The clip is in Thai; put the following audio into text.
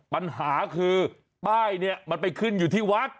ปัญหาคือป้ายเนี่ยมันไปขึ้นอยู่ที่วัด